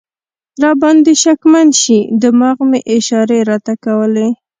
را باندې شکمن شي، دماغ مې اشارې راته کولې.